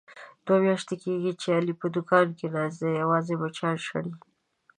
دوه میاشتې کېږي، چې علي په دوکان کې ناست دی یوازې مچان شړي.